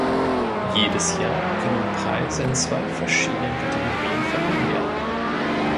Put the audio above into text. Jedes Jahr können Preise in zwölf verschiedenen Kategorien verliehen werden.